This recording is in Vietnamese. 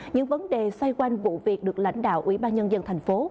những vấn đề xoay quanh vụ việc được lãnh đạo ủy ban nhân dân thành phố